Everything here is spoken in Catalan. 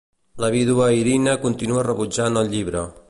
La vídua Irina continua rebutjant el llibre.